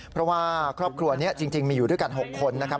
เพราะว่าครอบครัวนี้จริงมีอยู่ด้วยกัน๖คนนะครับ